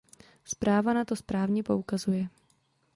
Zpráva na to správně poukazuje.